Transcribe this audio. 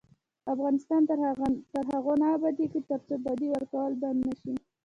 افغانستان تر هغو نه ابادیږي، ترڅو بدی ورکول بند نشي.